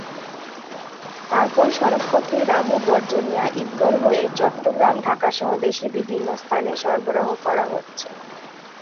তারপর সড়কপথে রামু-গর্জনিয়া-ঈদগড় হয়ে চট্টগ্রাম-ঢাকাসহ দেশের বিভিন্ন স্থানে সরবরাহ করা হচ্ছে।